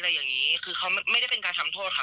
อย่างนี้คือเขาไม่ได้เป็นการทำโทษค่ะ